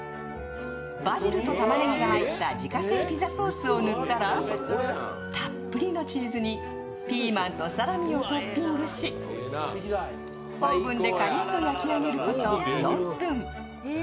バジルと玉ねぎが入った自家製ピザソースを塗ったらたっぷりのチーズにピーマンとサラミをトッピングし、オーブンでカリッと焼き上げること４分。